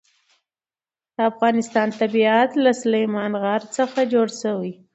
د افغانستان طبیعت له سلیمان غر څخه جوړ شوی دی.